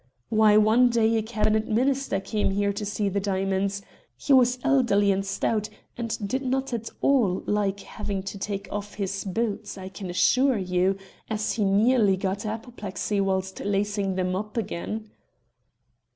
Why, one day a Cabinet Minister came here to see the diamonds. He was elderly and stout, and did not at all like having to take off his boots, I can assure you, as he nearly got apoplexy whilst lacing them up again."